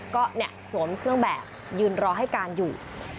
ก็สวมเครื่องแบบยืนรอให้การอยู่